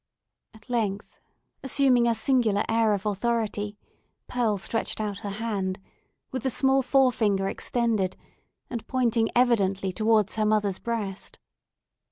At length, assuming a singular air of authority, Pearl stretched out her hand, with the small forefinger extended, and pointing evidently towards her mother's breast.